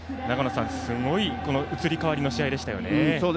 すごい移り変わりの試合でしたよね。